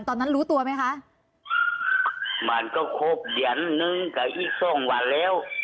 ตอนนั้นรู้ตัวไหมคะมันก็ครบเดือนนึงกับอีกสองวันแล้ว